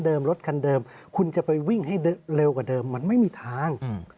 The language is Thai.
รถคันเดิมคุณจะไปวิ่งให้เร็วกว่าเดิมมันไม่มีทาง